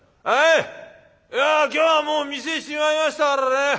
「おい今日はもう店しまいましたからね。